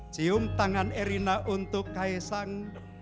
cium tangan erina untuk kaisang